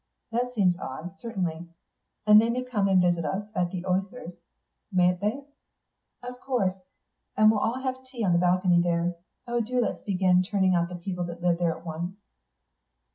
"That seems odd, certainly. And they may come and visit us at the Osiers, mayn't they?" "Of course. And we'll all have tea on the balcony there. Oh, do let's begin turning out the people that live there at once."